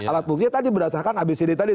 alat buktinya tadi berdasarkan abcd tadi